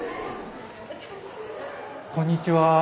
こんにちは。